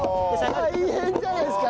大変じゃないですか！